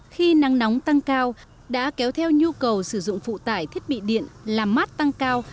khi nắng nóng tăng cao đã kéo theo nhu cầu sử dụng phụ tải thiết bị điện làm mát tăng cao